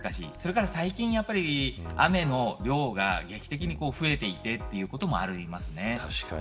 さらに最近は雨の量も劇的に増えているということもあります。